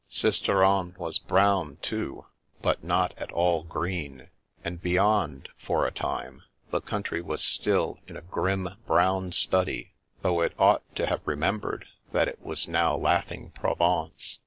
Sisteron was brown, too, but not at all green; and beyond, for a time, the country was still in a grim brown study, though it ought to have remembered that it was now laughing Provence.